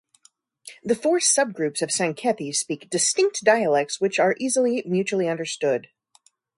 The four subgroups of Sankethi speak distinct dialects which are easily mutually understood.